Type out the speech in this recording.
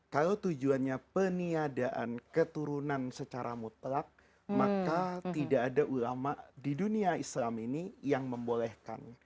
kalau tujuannya peniadaan keturunan secara mutlak maka tidak ada ulama di dunia islam ini yang membolehkan